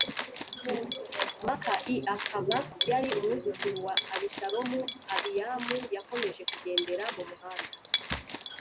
Maka i akaba yari umwuzukuru wa Abishalomu Abiyamu yakomeje kugendera mumuhanda